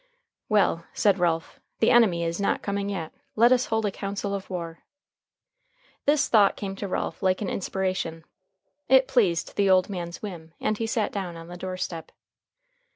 "Well," said Ralph, "the enemy is not coming yet. Let us hold a council of war." This thought came to Ralph like an inspiration. It pleased the old man's whim, and he sat down on the door step.